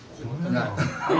ない。